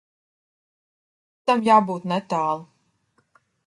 Tam jābūt netālu.